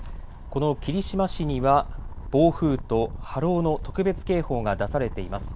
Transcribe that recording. この霧島市には暴風と波浪の特別警報が出されています。